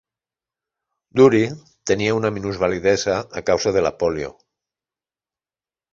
Dury tenia una minusvalidesa a causa de la pòlio.